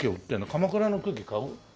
鎌倉の空気買う？